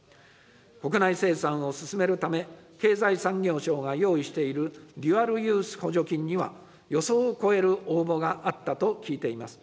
国内生産を進めるため、経済産業省が用意しているデュアルユース補助金には、予想を超える応募があったと聞いています。